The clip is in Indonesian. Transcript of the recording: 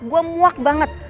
gue muak banget